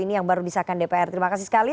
ini yang baru disahkan dpr terima kasih sekali